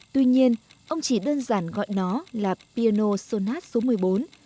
tuy nhiên ông chỉ đơn giản gọi nó là piano sôn ất số một mươi bốn